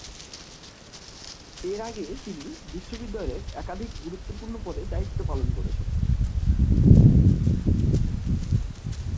এর আগে তিনি বিশ্ববিদ্যালয়ের একাধিক গুরুত্বপূর্ণ পদে দায়িত্ব পালন করেছেন।